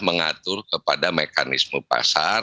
mengatur kepada mekanisme pasar